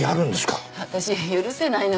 私許せないのよ。